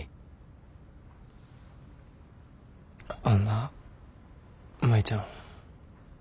あんな舞ちゃん。